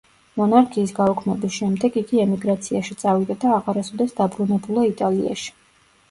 მონარქიის გაუქმების შემდეგ იგი ემიგრაციაში წავიდა და აღარასოდეს დაბრუნებულა იტალიაში.